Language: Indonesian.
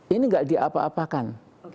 ini enggak diapa apakan